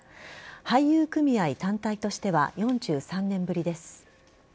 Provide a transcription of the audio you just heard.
俳優組合単体としては４３年ぶりです。